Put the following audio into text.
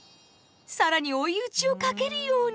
更に追い打ちをかけるように。